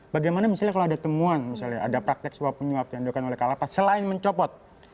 bagaimana misalnya kalau ada temuan misalnya ada praktek suap penyuap yang dilakukan oleh kalapas selain mencopot